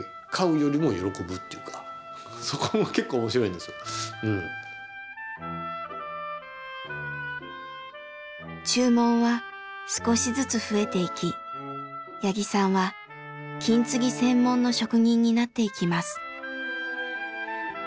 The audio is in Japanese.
なんていうか注文は少しずつ増えていき八木さんは金継ぎ専門の職人になっていきます。